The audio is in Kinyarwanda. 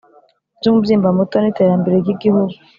By umubyimba muto n iterambere ryigihugu